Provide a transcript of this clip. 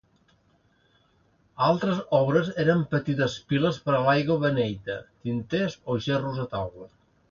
Altres obres eren petites piles per a l'aigua beneita, tinters o gerros de taula.